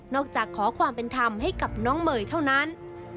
จากขอความเป็นธรรมให้กับน้องเมย์เท่านั้น